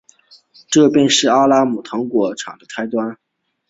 这便是阿拉木图糖果厂的开端。